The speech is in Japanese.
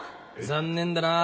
残念だな。